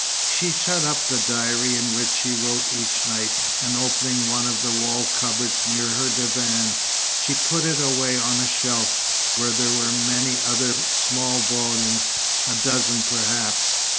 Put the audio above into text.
She shut up the diary in which she wrote each night, and opening one of the wall cupboards near her divan, she put it away on a shelf, where there were many other small volumes, a dozen perhaps.